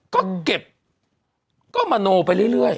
ก็เก็บก็มโนไปเรื่อย